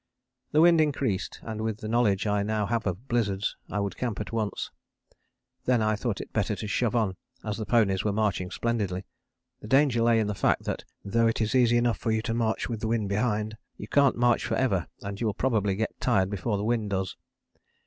The wind increased, and with the knowledge I now have of blizzards I would camp at once. Then I thought it better to shove on, as the ponies were marching splendidly. The danger lay in the fact that though it is easy enough for you to march with the wind behind, you can't march for ever and you will probably get tired before the wind does.